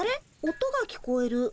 音が聞こえる。